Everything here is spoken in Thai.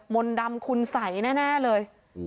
มนต์ดำคุณสัยแน่เลย